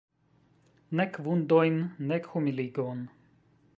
Nek vundojn, nek humiligon.